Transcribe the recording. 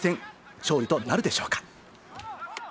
勝利となるでしょうか。